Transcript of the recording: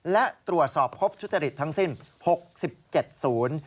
และตรวจสอบพบทุจริตทั้งสิ้น๖๗ศูนย์